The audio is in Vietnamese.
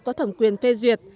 có thẩm quyền phê duyệt